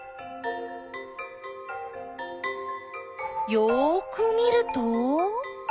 よく見ると？